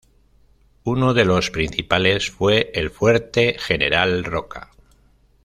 Uno de los principales fue el fuerte General Roca.